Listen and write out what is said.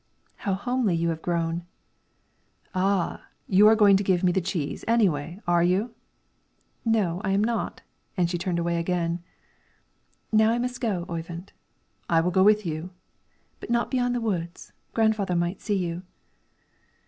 "How homely you have grown!" "Ah! you are going to give me the cheese, anyway; are you?" "No, I am not," and she turned away again. "Now I must go, Oyvind." "I will go with you." "But not beyond the woods; grandfather might see you."